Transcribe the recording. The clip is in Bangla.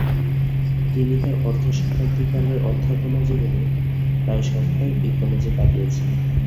তিনি তার অর্ধশতাব্দীকালের অধ্যাপনা জীবনে প্রায় সবটাই ওই কলেজে কাটিয়েছেন।